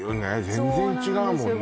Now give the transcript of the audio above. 全然違うもんね